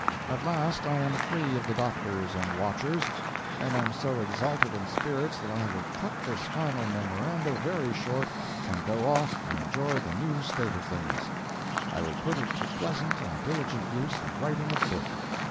At last I am free of the doctors and watchers, and am so exalted in spirits that I will cut this final MEMORANDA very short and go off and enjoy the new state of things. I will put it to pleasant and diligent use in writing a book.